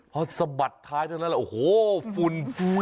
พอสะบัดท้ายเท่านั้นโอ้โหฝุ่น